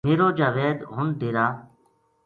میرو جاوید ہن ڈیرا